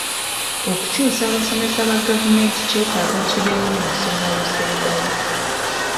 Okukyusa abasomesa ba gavumenti kyetaaga kibeewo mu lusoma olusembayo.